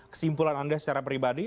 kesimpulan anda secara pribadi